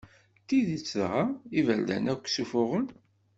D tidet dɣa, iberdan akk ssufuɣen?